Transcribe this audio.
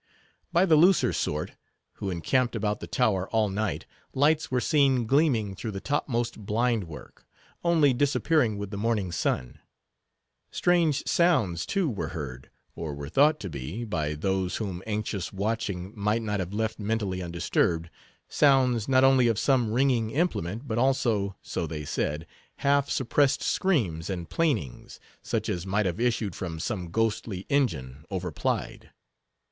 By the looser sort, who encamped about the tower all night, lights were seen gleaming through the topmost blind work, only disappearing with the morning sun. Strange sounds, too, were heard, or were thought to be, by those whom anxious watching might not have left mentally undisturbed—sounds, not only of some ringing implement, but also—so they said—half suppressed screams and plainings, such as might have issued from some ghostly engine, overplied.